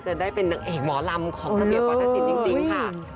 จะได้เป็นนางเอกหมอลำของระเบียบวัฒนศิลป์จริงค่ะ